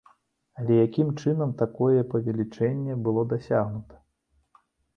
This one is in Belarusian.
Але якім чынам такое павелічэнне было дасягнута?